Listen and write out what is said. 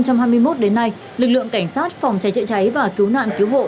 từ tháng một mươi năm hai nghìn hai mươi một đến nay lực lượng cảnh sát phòng cháy trợ cháy và cứu nạn cứu hộ